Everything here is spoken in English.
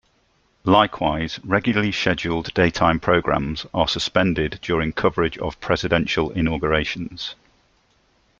Likewise, regularly scheduled daytime programs are suspended during coverage of presidential inaugurations.